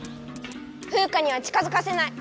フウカには近づかせない！